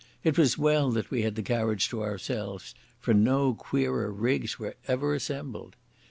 It was well that we had the carriage to ourselves, for no queerer rigs were ever assembled.